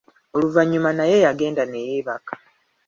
Oluvannyuma naye yagenda ne yeebaka .